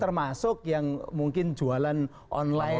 termasuk yang mungkin jualan online